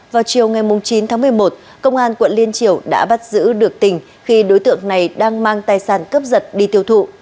vào chiều ngày chín tháng một mươi một công an quận liên triều đã bắt giữ được tình khi đối tượng này đang mang tài sản cướp giật đi tiêu thụ